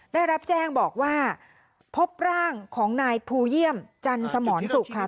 ได้รับแจ้งบอกว่าพบร่างของนายภูเยี่ยมจันสมรสุขค่ะ